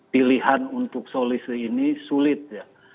pilihan untuk solusi ini sulit ya